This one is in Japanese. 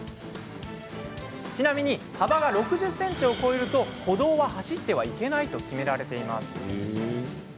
ちなみに幅が６０ｃｍを超えると歩道は走ってはいけないと決められています。